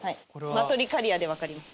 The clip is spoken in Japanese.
マトリカリアで分かります。